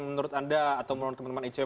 menurut anda atau menurut teman teman icw